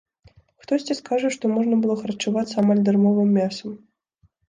Хтосьці скажа, што можна было харчавацца амаль дармовым мясам.